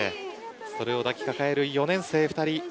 それを抱き抱える４年生２人。